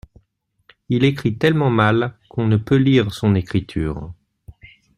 Il écrit tellement mal qu’on ne peut lire son écriture.